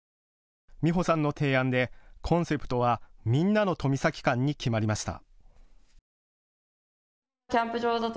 美歩さんの提案でコンセプトはみんなの富崎館に決まりました。